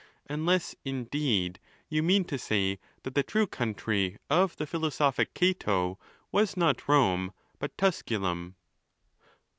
Unless, indeed, you mean to say, that the true country of the philosophic Cato was not Rome, but Tus culum.